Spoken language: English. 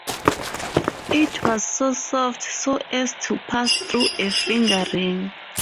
It was so soft so as to pass through a finger ring.